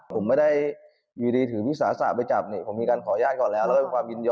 ผมไม่ได้อยู่ดีถือวิสาสาไปจับเนี่ยผมมีการขออนุญาตก่อนแล้วแล้ว